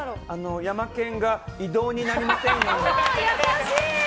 ヤマケンが異動になりませんように。